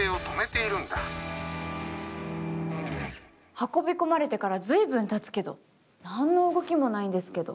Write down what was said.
運び込まれてから随分たつけど何の動きもないんですけど。